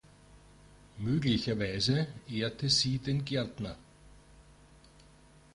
Möglicherweise ehrte sie den Gärtner.